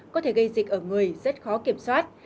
có thể gây dịch ở người rất khó kiểm soát